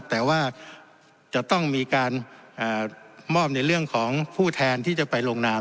แต่ว่าจะต้องมีการมอบในเรื่องของผู้แทนที่จะไปลงนาม